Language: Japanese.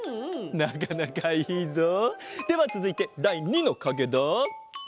なかなかいいぞ！ではつづいてだい２のかげだ。